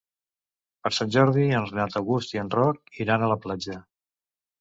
Per Sant Jordi en Renat August i en Roc iran a la platja.